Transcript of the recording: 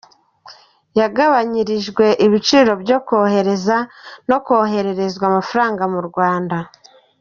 yagabanyije igiciro cyo kohereza no kohererezwa amafaranga mu Rwanda